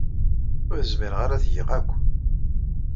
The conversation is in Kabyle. Ur zmireɣ ara ad t-geɣ akk.